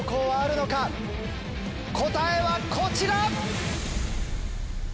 答えはこちら！